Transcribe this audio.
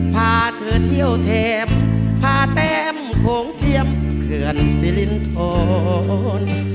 พาเธอเที่ยวเทพพาแต้มโขงเทียมเขื่อนสิรินทร